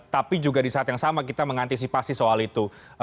tapi juga di saat yang sama kita mengantisipasi soal itu